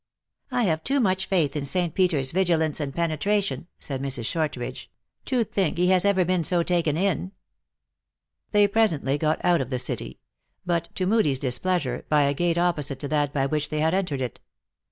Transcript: " I have too much faith in St. Peter s vigilance and penetration," said Mrs. Shortridge, " to think he has ever been so taken in." They presently got out of the city ; but, to Moodie s displeasure, by a gate opposite to that by which they had entered it.